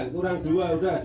kurang dua udah dua